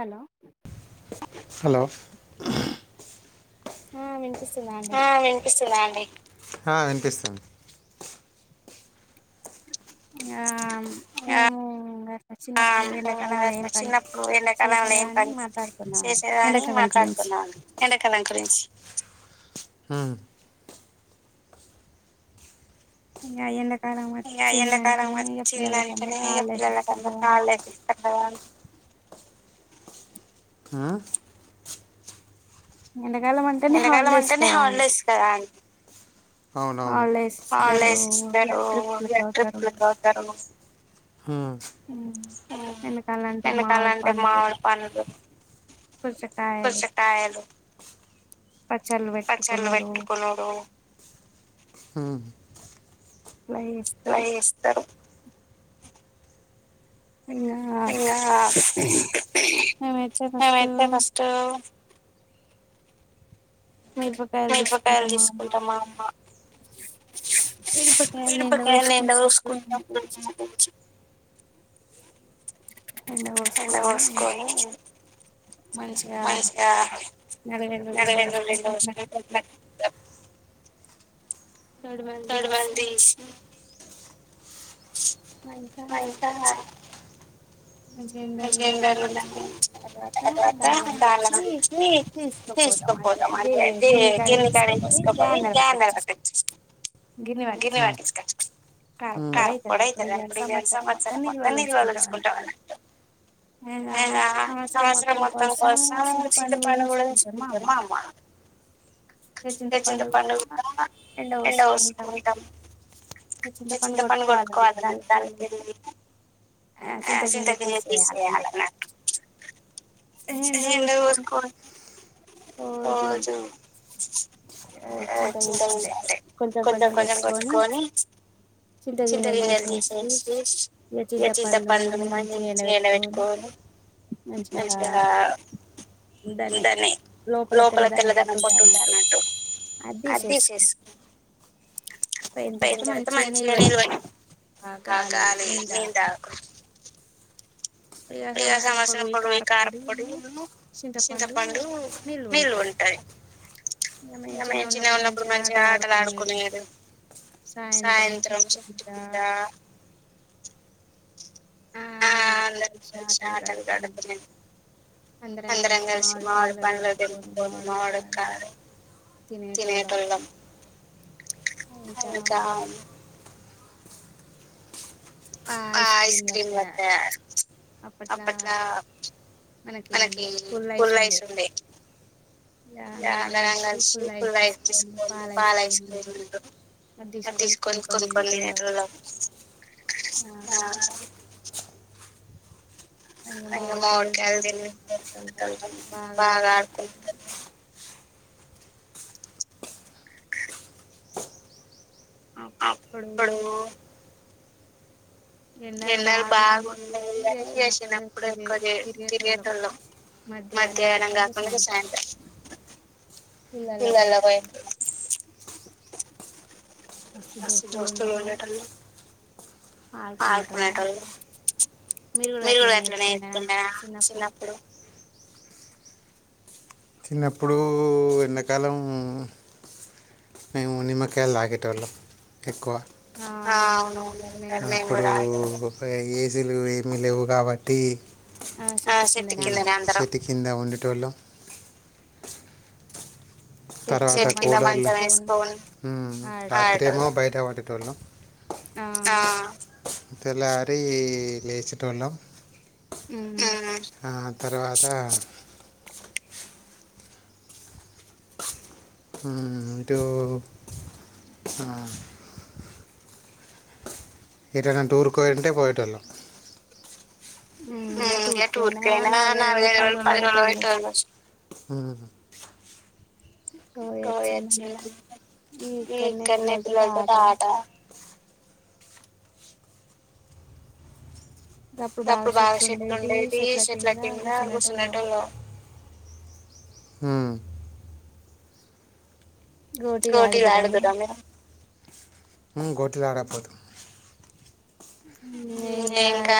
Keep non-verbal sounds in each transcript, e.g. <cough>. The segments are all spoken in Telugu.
హలో హలో ఆ వినిపిస్తుందండి ఆ వినిపిస్తుందా అండి ఆ వినిపిస్తుంది ఆ మేము చినప్పుడు ఎండాకాలంలో ఏం పని చేసేదా అని మాట్లాడుకుమ్దామని ఎండాకాలం గురించి ఎండాకాలం గురించి ఇంక ఆ ఎండకు ఎండాకాలం వచ్చిందంటేనే ఇక పిల్లలకందరికి హాలిడేస్ ఇస్తరు కదా ఆ ఎండకాలం అంటేనే హాలిడేస్ కదా అండి అవునవును హాలిడేస్ ఇస్తారు ట్రిప్పులకు పోతారు వెనకాల అంటే మామిడి పనులు పుచ్చకాయలు పచ్చళ్ళు పెట్టుకునుడు హుమ్మ్ అలా ఇస్తారు ఇనా మేమయితే ఫస్ట్ మిరపకాయలు తీసుకుంటామా అమ్మ పిరుపకాయలానే ఎండపోసుకుంటాం ఎండ వోసుకొని మంచిగా న ఎ <inaudible> తడవాల్ దీసి అంటా జండ తర్వాత అళ నుంచి తీస్తాం పోదాం అంటే గిరిని కాడికి తీసుకపోయి గ్రైండర్ పట్టించి కాస్తం గిర్నీ పట్టించుకచి కారం పొడి అవుతుంది అప్పుడు ఇ సంవత్సరం మొత్తాం నిల్వలు ఉంచుకుంటాం అన్నట్టు ఇగ సంవత్సరం మొత్తం కోసం చింత పండు కూడా ఉంచుకుంటుంది మా అమ్మ గా చింత పండు గూడ ఎండ వసుకుంటాం చింత పండు కొట్టుకోవాలన్న దాలకళ చింత గింజ తీసేయాలన్నట్లు ఎండ వొసుకొని రోజు ఆ చింత కొంచెం కొంచెం కొట్టుకొని చింత గింజలు తీసేసి ఇగ చింత పాన్ మ నుంచి ఎలబెట్టుకోవాలి మంచిగా ఉందని లోపల తెల్లదనం పొట్టు ఉంటది అనట్టు ఆదిశేసుకో యిన తర్వాత మంచిగా నిీల్వ ఆ ాలీ నీందాకు ఇగా సంవత్సరం పొడవు ఈ కారం పొడులు చింతపండు నిల్వ ఉంటది ఇ మేము చిన్న ఉన్నప్పుడు మంచిగా ఆటలు ఆడుకునేరు సాయంత్రం చట్ పూజ ఆ అంత ఆటల్కాడతు <inaudible> అందరం కలిసి మావిడి పండ్లు తెంపుకొని మావాడి కారు తినేటోల్లం ఇంకా ఆ ఐస్ క్రీమ్ మన్న అప్పట్లా మనకి పుల్లైస్ ఉండే ఇందంగాలిసి ఫుల్ యిస్క్రంది పాల్ ఐస్ క్రీమ్ ఉ అది తీసుకొని కొనుకొన్ని తినేటోల్లం ఆ మామిడి కాయలు తిని యందరం బాగా ఆడ్క అప్పుడు కెనాల్ బాగుండేయి అని చేసినప్పుడు ఎక్కువ తిరిగేటళ్ళం మధ్యాహ్నం గకున్న ఇగ సాయంత్రం నలబై దోస్తులు ఉండేతోళ్లు ఆల్కునేటోళ్ళు మీరు కూడా ఎట్లనే చే సుండేనా చిన్నప్పుడు చిన్నప్పుడు ఎండాకాలం మేము నిమ్మకాయలు తగేటోల్లం ఎక్కువ హా అవునవును నేనుకూడా ఏసీలు ఏమి లేవు కాబట్టి చెట్టుకిందనే అందరం ఉండేటోల్లం తర్వాతేమో బయట పడుకునే తోళ్ళం ఆ తెల్లారి లెచేటోల్లం ఆ తర్వాత హ్మ్మ్ టో హా ఎటైనా టూర్కి పోయాలంటే పోయేటోల్లం ఇక టూర్ కైనా నాలుగు ఐదు రోజులు పది రోజులు పోయేటోళ్లు <inaudible> ఈ కన్నె పిల్లలతోటి ఆట చిన్నపుడు బాగా చెట్లు ఉండేది చెట్ల కింద కూర్చునేటోలామ్ హ్మ్ గోటీలాడు తిండిరా మీరు ఇంకా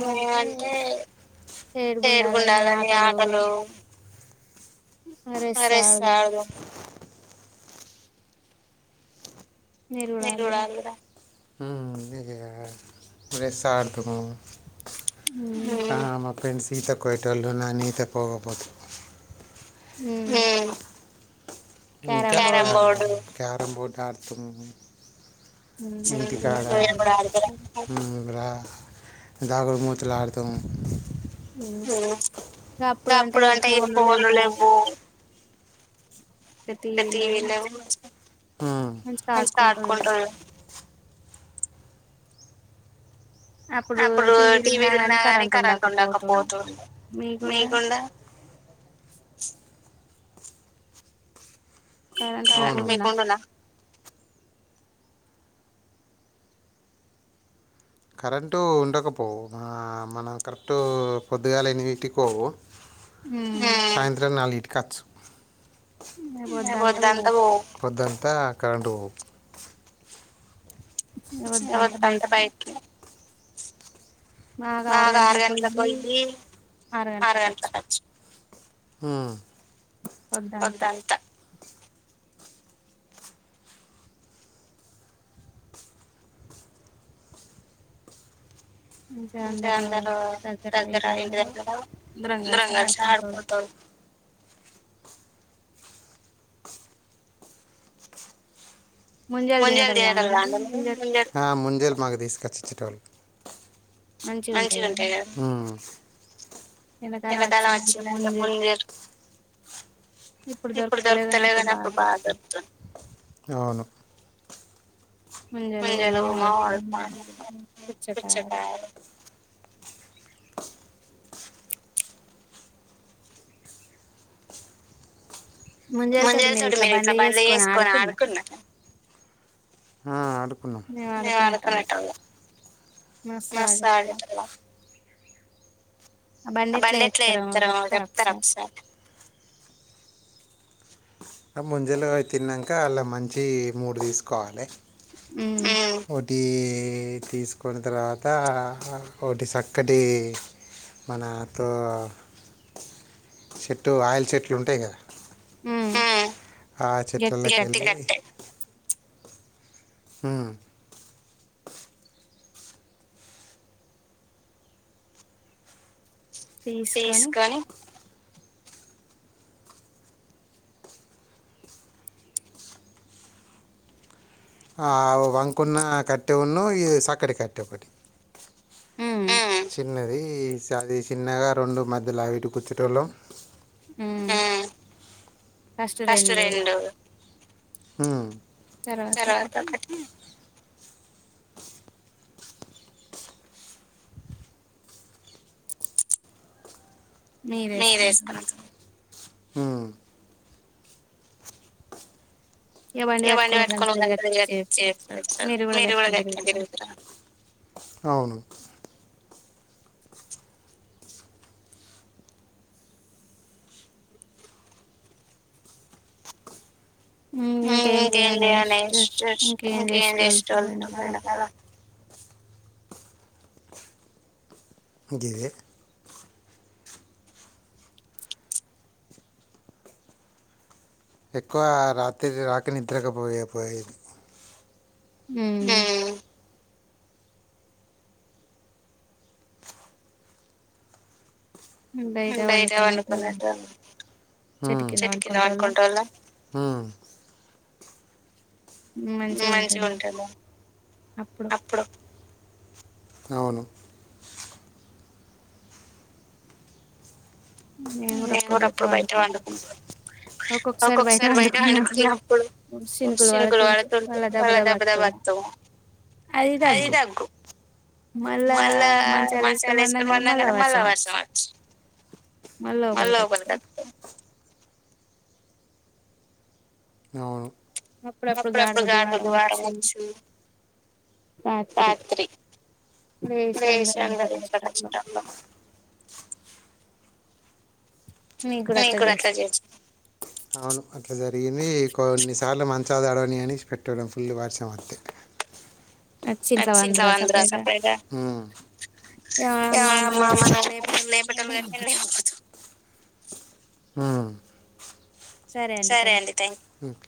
మేమ్మ్ అంటే తేడుగుండాలని ఆటలు అరే సార్ మీరు కూడా అడతార చెస్ ఆడతాము మా ఫ్రెండ్స్ ఈతకు పోయేటోళ్లు నేను ఈతకు పోకపోతు హ్మ్మ్ క్యారం బోర్డ్ అడతం ఇంకా దాగుడు మూతలు ఆడుతాము ఇంకాప్పుడు అంటే ఇక ఫోన్లు లేవు ఇ టీవీ లేవు మంచిగ ఆడుకుంటాారు అప్పుడు టీవీలు ఉన్నా గాని కరెంట్ ఉండకపోతు మీకొండ కరెంట్ మీకుండన కరెంటు ఉండకపోవు మన కరెట్ పొద్దుగాల ఎనిమిదింటికి పోవు సాయంత్రం నాలు ఇంటికి అచ్చు పొదంత కరెంట్ పోవు ఓద్ అంత బయట్కి నాకు ఆరు గంటలలకు పోయిి ఆరు గంటలలకుచ్చు హ్మ్మ్ పొద్దంతా ఇకా అందరుూ దగ్గర ఇంటి దగ్గర అందరు కలిసి ఆడుకొనేటోళ్లు ము ముంజేలు మాకు తీసుకొచ్చి ఇచ్చుతోల్లు మంచిగా ఉంటాయి కదా ఎండకాలం వచ్చిందంటె పోయి ఇప్పుడు దొరుకుతలే కానీ అప్పుడు బాగా దొరుకుతంది అవును ముంజలు మామిడి కాయలు పుచ్చకాయాలు ముందు వెళ్తాడు మీరు ఇట్లా బంద చేసుకొని ఆడుకున్న ఆ అడుకున్నాం మాసాడుకున్నాం ఆ బండి ఎట్ల చేస్తారో చెప్తారా ఒకసారి ముంజలో తిన్నాక అళ్లా మంచి మూడు తీసుకోవాలి ఉమ్ ఈ తీసుకున్న తర్వాత ఒకటి సక్కటి మన తో చెట్టు వయిల్ చెట్లు ఉంటాయి కదా ఆ చెట్లంల ఉమ్ తీసుకొని ఆ వంకున్న కట్టేవున్ను ఇ సక్కటి కట్టే ఒకటి ఆ చిన్నది ఈ సది చిన్నగా రెండు మధ్యలోవిటి కుచ్చుట్రోలాం ఉమ్ ఫస్ట్ రెండు తర్వాత ఒకటి మీరేస్తాను ఉమ్ ఇగా బండి పెట్టుకొని ఊరంత తిర్గొచ్చు మీరు కూడా గిరుగురా అవును ఉమ్ ఇంకేం చేయలె ఇంకేం చేష్ట వెళ్తు రండి కదా ఆది ఎక్కువ రాత్రి రాక నిద్రకపోయపోయేది ఉమ్ డైట్ల పండుకునేట్లు చెట్టుకింద పడుకునేట్టోల్ల మే మంచిగా ఉంటుంది అప్పుడు అవును నేను కూడా అప్పుడు బయట పండుకుంటా ఒక్కొక్కసారి బయట పండుకున్నప్పుడు చినుకులు పడుతుంటే మళ్ళ దబ్బ దబ్బ వస్తావు అది తగ్గు మళ్ళా మంచాలు వేసుకొని పండగానే మళ్ళా వర్షం వచ్చు మళ్ళా లోపలిక అవును రాత్రి దేశంగారి ఇంత కష్టంలో నేను కూడా అట్లచేయోచ్ అట్లా జరిగింది కొన్నిసార్లు మంచాలు తడవనీయనీ ఇష్పెట్టడం ఫుల్ వర్షం అంతే అచ్చి ఇంట్ల పంటరా సపుడుజేక ఇగ మా అమ్మ నాకు లేపటం నేర్పింది ఉమ్ సరే అండి థ్యాంక్